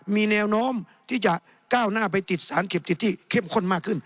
มีแนวโน้มที่จะก้าวหน้าไปติดสารเก็บติดที่เข้มข้นมากขึ้น